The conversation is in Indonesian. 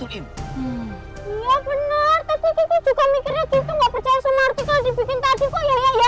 tapi kiki juga mikirnya kiki nggak percaya sama artikel dibikin tadi